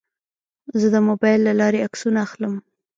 زه د موبایل له لارې عکسونه اخلم.